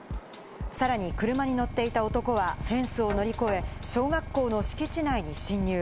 さらに車に乗っていた男はフェンスを乗り越え、小学校の敷地内に侵入。